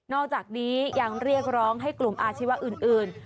อกจากนี้ยังเรียกร้องให้กลุ่มอาชีวะอื่น